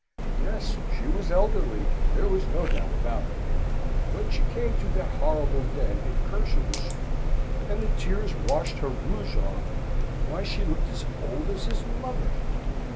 Yes, she was elderly, there was no doubt about it. When she came to that horrible den in Cursitor Street and the tears washed her rouge off, why, she looked as old as his mother!